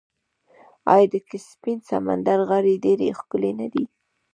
آیا د کسپین سمندر غاړې ډیرې ښکلې نه دي؟